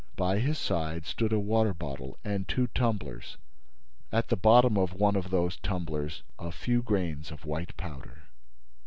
By his side stood a water bottle and two tumblers. At the bottom of one of those tumblers a few grains of white powder.